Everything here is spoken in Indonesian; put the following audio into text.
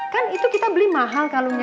kan itu kita beli mahal kalungnya